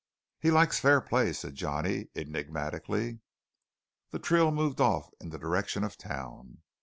"He likes fair play," said Johnny enigmatically. The trio moved off in the direction of town.